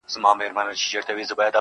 اې د ویدي د مست سُرود او اوستا لوري.